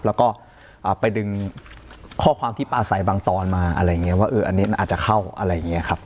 แล้วก็ไปดึงข้อความที่ปลาใสบางตอนมาอะไรอย่างนี้ว่าอันนี้มันอาจจะเข้าอะไรอย่างนี้ครับ